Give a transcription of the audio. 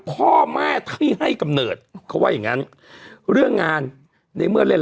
พ่อแม่ที่ให้กำเนิดเขาว่าอย่างงั้นเรื่องงานในเมื่อเล่น